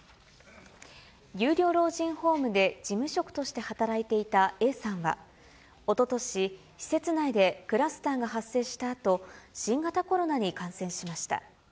有料老人ホームで事務職として働いていたＡさんは、おととし、施設内でクラスターが発生したあと、新型コロナに感染しました。